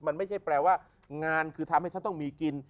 มันไม่ใช่แปลว่างานคือทำให้เขาต้องมีกิน